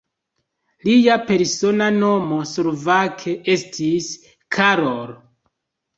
Lia persona nomo slovake estis "Karol".